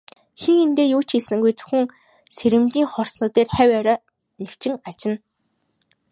Хэн хэндээ юу ч хэлсэнгүй, зөвхөн сэрэмжийн хурц нүдээр хавь ойроо нэвчин ажна.